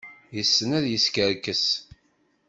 Yessen ad yeskerkes.